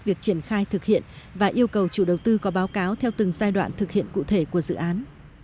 việc triển khai thực hiện và yêu cầu chủ đầu tư có báo cáo theo từng giai đoạn thực hiện cụ thể của dự án